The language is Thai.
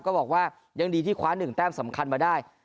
ก็บอกว่ายังดีที่คว้า๑แต้มสำคัญมาได้